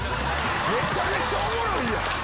めちゃめちゃおもろい！